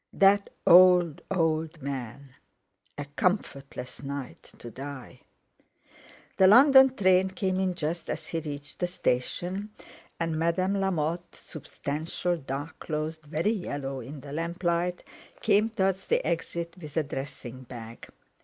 That old, old man! A comfortless night—to die! The London train came in just as he reached the station, and Madame Lamotte, substantial, dark clothed, very yellow in the lamplight, came towards the exit with a dressing bag.